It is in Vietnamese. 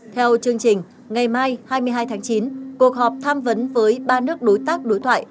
theo chương trình ngày mai hai mươi hai tháng chín cuộc họp tham vấn với ba nước đối tác đối thoại